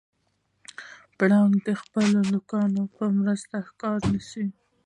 پړانګ د خپلو نوکانو په مرسته ښکار نیسي.